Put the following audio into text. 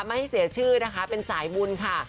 ไม่ให้เสียชื่อนะคะเป็นสายบุญค่ะ